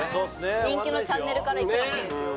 人気のチャンネルからいくのもいいですよ。